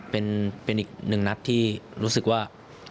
เป็นอีกหนึ่งนัดที่รู้สึกว่า